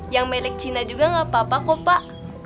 yang melek cina juga nggak apa apa kok pak